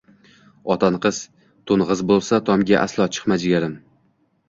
Otang to'ng'iz bo'lsa, tomga aslo chiqma jigarim